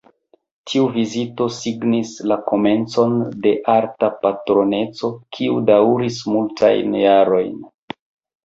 Tiu vizito signis la komencon de arta patroneco, kiu daŭris multajn jarojn.